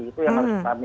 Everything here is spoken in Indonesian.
itu yang harus dipahami